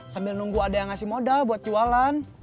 sambil nunggu ada yang ngasih modal buat jualan